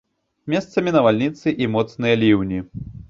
Месцамі навальніцы і моцныя ліўні.